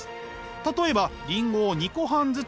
例えばリンゴを２個半ずつにする。